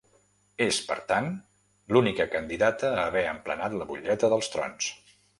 És, per tant, l'única candidata a haver emplenat la butlleta dels trons.